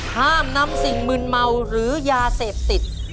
ห้ามนำสิ่งมืนเมาหรือยาเสพติด